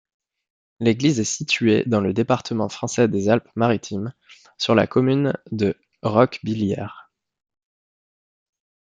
L'église est située dans le département français des Alpes-Maritimes, sur la commune de Roquebillière.